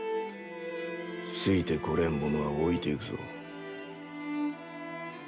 ついてこれん者は置いてゆくぞ。